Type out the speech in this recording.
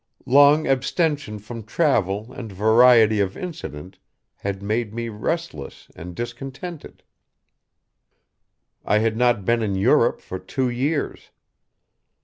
Long abstention from travel and variety of incident had made me restless and discontented. I had not been in Europe for two years.